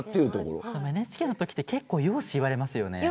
ＮＨＫのときって結構、容姿言われますよね。